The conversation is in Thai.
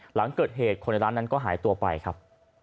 หลังเกิดเหตุคนในร้านนั้นก็หายตัวไปครับ